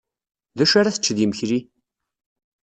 D acu ara tečč d imekli?